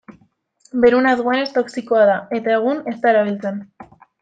Beruna duenez toxikoa da, eta egun ez da erabiltzen.